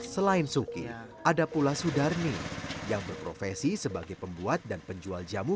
selain suki ada pula sudarmi yang berprofesi sebagai pembuat dan penjual jamu